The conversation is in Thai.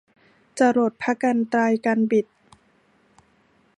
จรดพระกรรไตรกรรบิด